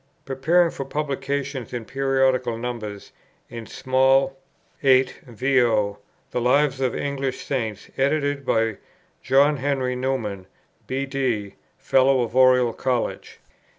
_Preparing for Publication, in Periodical Numbers, in small 8vo, The Lives of the English Saints, Edited by the Rev. John Henry Newman, B.D., Fellow of Oriel College.